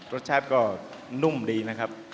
รสชาติก็นุ่มดีนะครับ